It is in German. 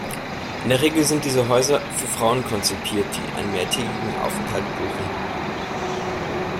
In der Regel sind diese Häuser für Frauen konzipiert, die einen mehrtägigen Aufenthalt buchen.